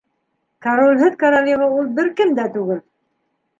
Королһеҙ королева ул бер кем дә түгел!